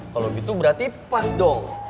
kalau gitu berarti pas dong